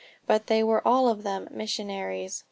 But they were all of them missionaries.